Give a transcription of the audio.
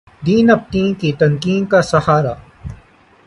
ڈیںبتیں کیں تنکیں کا سہارا